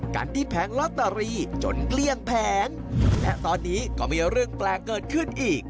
กันที่แผงลอตเตอรี่จนเกลี้ยงแผงและตอนนี้ก็มีเรื่องแปลกเกิดขึ้นอีก